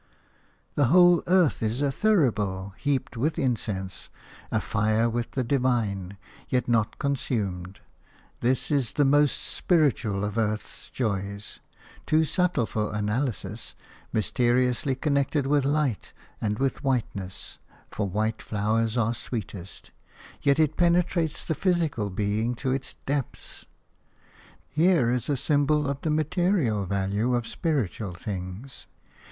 The whole earth is a thurible heaped with incense, afire with the divine, yet not consumed. This is the most spiritual of earth's joys – too subtle for analysis, mysteriously connected with light and with whiteness, for white flowers are sweetest – yet it penetrates the physical being to its depths. Here is a symbol of the material value of spiritual things.